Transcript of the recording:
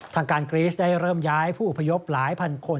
ทางการกรีสได้เริ่มย้ายผู้อพยพหลายพันคน